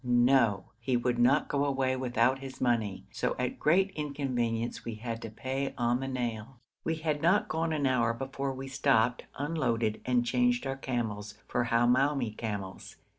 No! he would not go away without his money; so at great inconvenience we had to pay on the nail. We had not gone an hour before we stopped, unloaded, and changed our camels for Hamoumi camels.